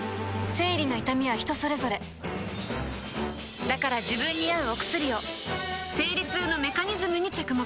生理の痛みは人それぞれだから自分に合うお薬を生理痛のメカニズムに着目